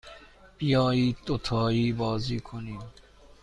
بیایید دوتایی بازی کنیم.